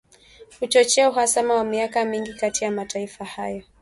kuchochea uhasama wa miaka mingi kati ya mataifa hayo